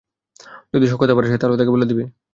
যদি শওকত আবার আসে, তাহলে তাকে বল দিবে।